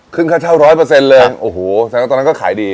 ขึ้นค่าเช่า๑๐๐เลยโอ้โหแสดงว่าตอนนั้นก็ขายดี